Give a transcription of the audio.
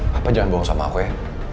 bapak jangan bohong sama aku ya